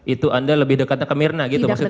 itu anda lebih dekatnya ke mirna gitu maksudnya